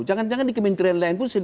jangan jangan di kementerian lain pun